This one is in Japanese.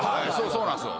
そうなんすよ。